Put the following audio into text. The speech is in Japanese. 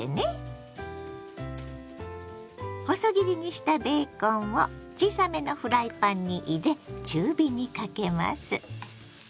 細切りにしたベーコンを小さめのフライパンに入れ中火にかけます。